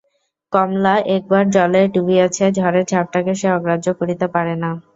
কমলা একবার জলে ডুবিয়াছে–ঝড়ের ঝাপটাকে সে অগ্রাহ্য করিতে পারে না।